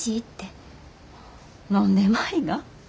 何で舞が？